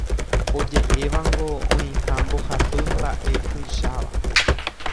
Oje'évango oĩha mbohapy mba'e tuicháva